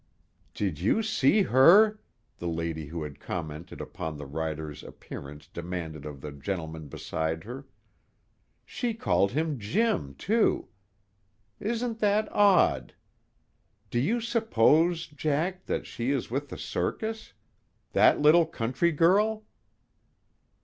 "Did you see her?" The lady who had commented upon the rider's appearance demanded of the gentleman beside her. "She called him Jim, too; isn't that odd? Do you suppose, Jack, that she is with the circus; that little country girl?"